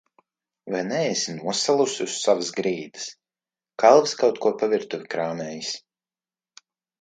Vai neesi nosalusi uz savas grīdas? Kalvis kaut ko pa virtuvi krāmējas.